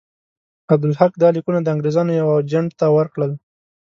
عبدالحق دا لیکونه د انګرېزانو یوه اجنټ ته ورکړل.